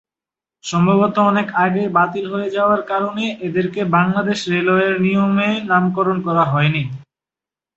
সম্ভবত অনেক আগেই বাতিল হয়ে যাওয়ার কারণে এদেরকে বাংলাদেশ রেলওয়ের নিয়মে নামকরণ করা হয়নি।